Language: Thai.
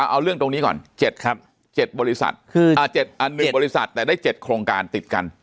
เอาเรื่องตรงนี้ก่อน๗บริษัท๑บริษัทแต่ได้๗โครงการติดกัน